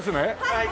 はい！